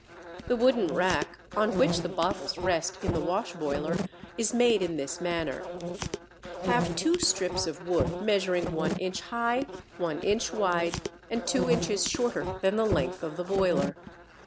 The wooden rack, on which the bottles rest in the washboiler, is made in this manner: Have two strips of wood measuring 1 inch high, 1 inch wide, and 2 inches shorter than the length of the boiler.